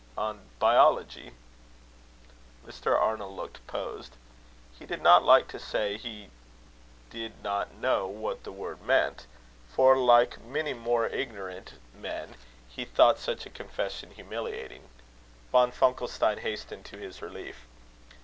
"On biology." Mr. Arnold looked posed. He did not like to say he did not know what the word meant; for, like many more ignorant men, he thought such a confession humiliating. Von Funkelstein hastened to his relief.